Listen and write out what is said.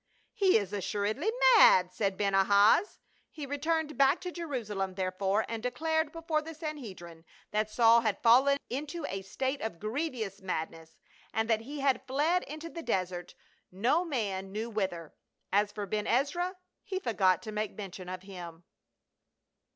" He is assuredly mad," said Ben Ahaz. He returned back to Jerusalem therefore, and declared before the Sanhedrim that Saul had fallen into a state of grievous madness, and that he had fled into the desert no man knew whither. As for Ben Ezra, he forgot to make mention of him.